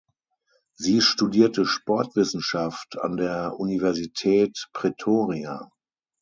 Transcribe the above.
Sie studierte Sportwissenschaft an der Universität Pretoria.